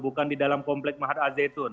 bukan di dalam komplek mahat al zaitun